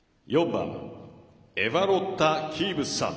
４番エバロッタ・キーバスさん